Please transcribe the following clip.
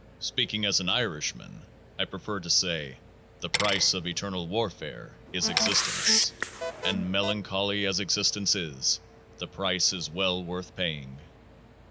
39 Speaking as an Irishman, I prefer to say : The price of eternal warfare is existence. And melancholy as existence is, the price is well worth paying.